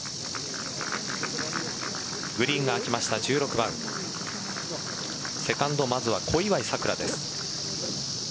グリーンが空きました１６番セカンドまずは小祝さくらです。